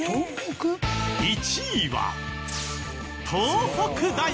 １位は。